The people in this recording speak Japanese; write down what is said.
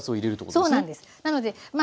そうなんです。